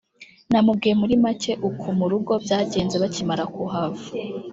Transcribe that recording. namubwiye muri make uku mu rugo byagenze bakimara kuhava